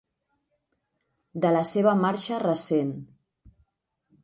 De la seva marxa recent.